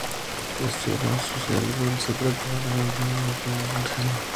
La esfera social que Wells retrata en "Matrimonio" es de la alta burguesía.